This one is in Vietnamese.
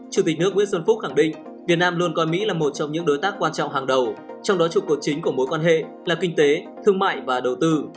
chủ tịch nước nguyễn xuân phúc khẳng định việt nam luôn coi mỹ là một trong những đối tác quan trọng hàng đầu trong đó trụ cột chính của mối quan hệ là kinh tế thương mại và đầu tư